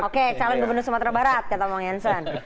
oke salam gubernur sumatera barat kata bang janssen